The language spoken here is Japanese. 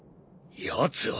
やつは！？